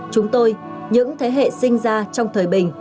chúng tôi những thế hệ sinh ra trong thời bình